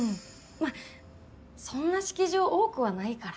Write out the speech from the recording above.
まあそんな式場多くはないから。